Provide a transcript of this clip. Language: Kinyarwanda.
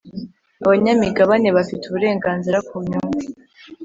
Abanyamigabane bafite uburenganzira ku nyungu